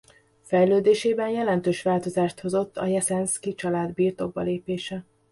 Fejlődésében jelentős változást hozott a Jeszenszky család birtokba lépése.